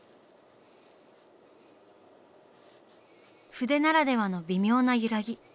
筆ならではの微妙な揺らぎ。